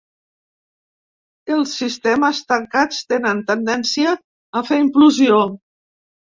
Els sistemes tancats tenen tendència a fer implosió.